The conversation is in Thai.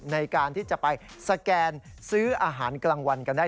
ในการที่จะไปสแกนซื้ออาหารกลางวันกันได้